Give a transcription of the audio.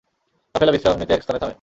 কাফেলা বিশ্রাম নিতে এক স্থানে থামে।